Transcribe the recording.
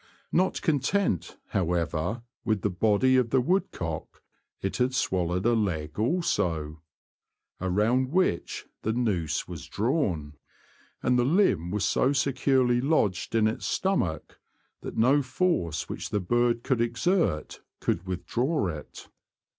Not content, however, with the body of the woodcock, it had swallowed a leg also, around which the nooze was drawn, and the limb was so securely lodged in its stomach that no force which the bird could exert could withdraw it.